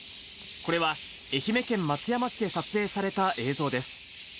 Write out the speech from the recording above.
これは愛媛県松山市で撮影された映像です。